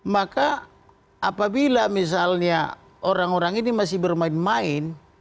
maka apabila misalnya orang orang ini masih bermain main